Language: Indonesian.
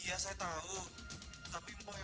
asal bang tahu ya